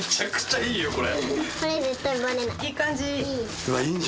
いい感じ？